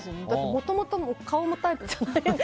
もともと顔もタイプじゃないので。